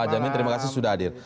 jamin terima kasih sudah hadir